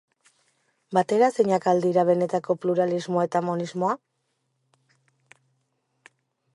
Bateraezinak al dira benetako pluralismoa eta monismoa?